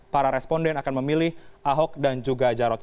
para responden akan memilih ahok dan juga jarot